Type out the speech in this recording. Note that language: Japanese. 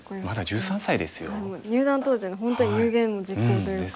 もう入段当時の本当に有言実行というか。